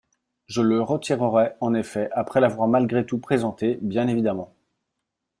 Je le retirerai, en effet, après l’avoir malgré tout présenté, bien évidemment.